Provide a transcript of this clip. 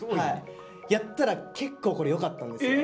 やったら結構これよかったんですよ。